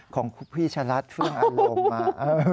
ของพี่ชะลัดเฟื่องอารมณ์มา